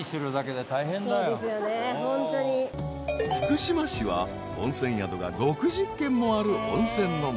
［福島市は温泉宿が６０軒もある温泉の街］